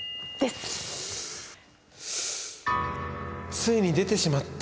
ついに出てしまった。